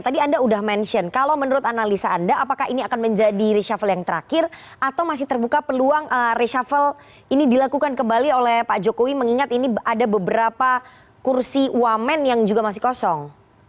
tadi anda sudah mention kalau menurut analisa anda apakah ini akan menjadi reshuffle yang terakhir atau masih terbuka peluang reshuffle ini dilakukan kembali oleh pak jokowi mengingat ini ada beberapa kursi wamen yang juga masih kosong